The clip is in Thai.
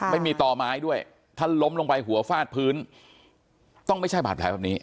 ต่อไม้ด้วยถ้าล้มลงไปหัวฟาดพื้นต้องไม่ใช่บาดแผลแบบนี้